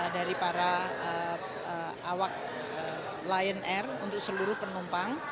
dari para awak lion air untuk seluruh penumpang